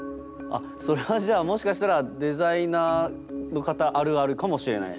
それはじゃあもしかしたらデザイナーの方あるあるかもしれない？